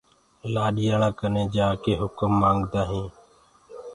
لآڏياݪآنٚ ڪني جآڪي هُڪم مآنگدآ هينٚ۔